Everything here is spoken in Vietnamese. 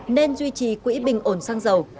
nên duy trì quỹ bình ổn xăng dầu